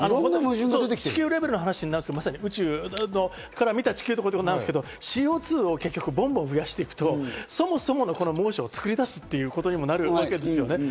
地球レベルの話になって、宇宙から見た地球という話になるんですけどＣＯ２をどんどん増やしていくとそもそもの猛暑を作り出すということにもなる。